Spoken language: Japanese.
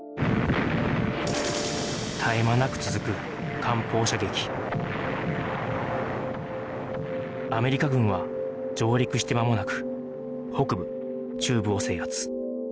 絶え間なく続くアメリカ軍は上陸してまもなく北部中部を制圧